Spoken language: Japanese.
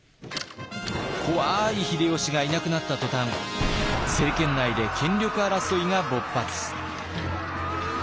怖い秀吉がいなくなった途端政権内で権力争いが勃発。